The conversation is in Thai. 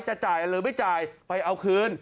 จะจ่ายหรือไม่จ่ายไปเอาคืน